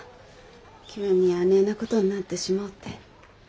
急にあねえなことになってしもうて。